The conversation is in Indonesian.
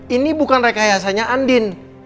ini bukan rekayasanya andin